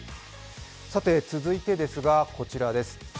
続いてですが、こちらです。